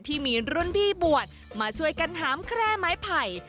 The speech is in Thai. ที่มีรุ่นพี่บวชมาช่วยกันหามแคร่ไม้ไผ่